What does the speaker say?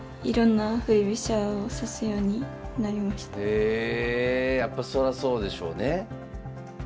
へえやっぱそらそうでしょうね。